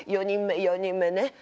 ４人目４人目ね